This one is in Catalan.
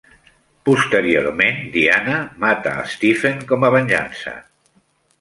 Posteriorment, Diana mata Stephen com a venjança.